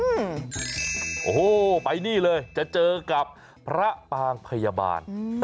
โอ้โหไปนี่เลยจะเจอกับพระปางพยาบาล